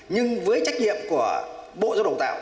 nhưng với trách nhiệm của bộ giáo dục đào tạo